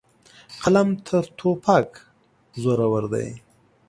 قلم تر توپک زورور دی.